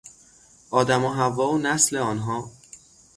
آدم و حوا و نسل آنها